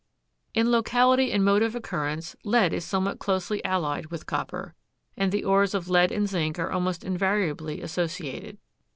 In locality and mode of occurrence lead is somewhat closely allied with copper, and the ores of lead and zinc are almost invariably associated.